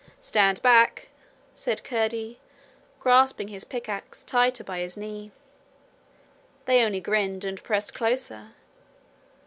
'Stand back,' said Curdie, grasping his pickaxe tighter by his knee. They only grinned and pressed closer.